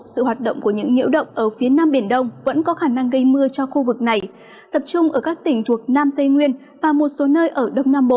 sự hoạt động của những nhiễu động ở phía nam biển đông vẫn có khả năng gây mưa cho khu vực này tập trung ở các tỉnh thuộc nam tây nguyên và một số nơi ở đông nam bộ